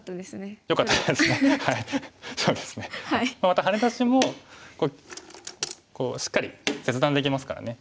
またハネ出しもこうしっかり切断できますからね。